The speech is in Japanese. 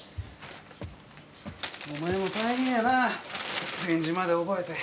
お前も大変やな、点字まで覚えて。